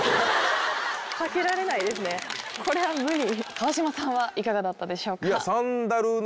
川島さんはいかがだったでしょうか？